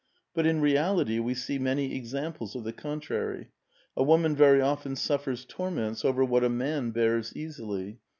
But in reality we see many examples of the contrary. A woman very often suffers torments over what a man bears easilv.